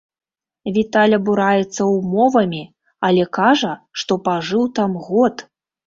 Віталь абураецца ўмовамі, але кажа, што пажыў там год!